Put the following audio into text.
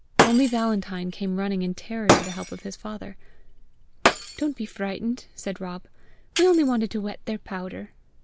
Only Valentine came running in terror to the help of his father. "Don't be frightened," said Rob; "we only wanted to wet their powder!"